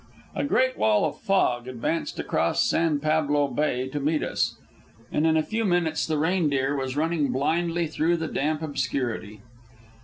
A great wall of fog advanced across San Pablo Bay to meet us, and in a few minutes the Reindeer was running blindly through the damp obscurity.